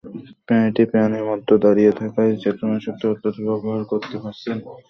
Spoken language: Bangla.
প্রাণীটি পানির মধ্যে দাঁড়িয়ে থাকায় চেতনানাশক পদ্ধতি ব্যবহার করতে পারছি না।